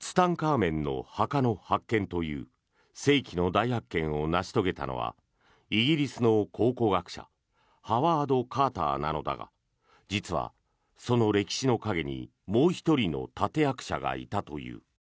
ツタンカーメンの墓の発見という世紀の大発見を成し遂げたのはイギリスの考古学者ハワード・カーターなのだが実はその歴史の影にもう１人の立役者がいたという。